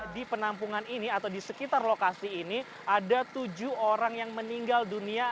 di penampungan ini atau di sekitar lokasi ini ada tujuh orang yang meninggal dunia